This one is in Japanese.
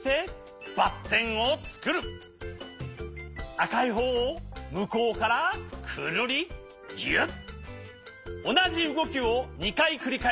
あかいほうをむこうからくるりぎゅっ。